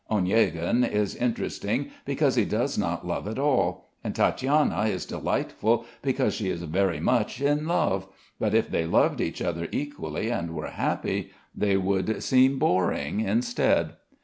Oniegin is interesting because he does not love at all, and Tatiana is delightful because she is very much in love; but if they loved each other equally and were happy, they would seem boring, instead.